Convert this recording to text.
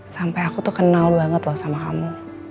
sampai aku tuh kenal banget loh sama kamu